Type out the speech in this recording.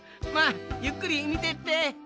まあゆっくりみてって。